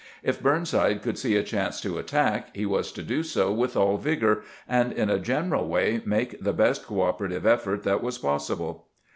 If Burn side could see a chance to attack, he was to do so with all vigor, and in a general way make the best coopera tive effort that was possible.